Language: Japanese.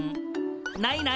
ないない。